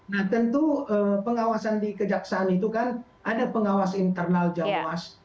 nah tentu pengawasan di kejaksaan itu kan ada pengawas internal jawas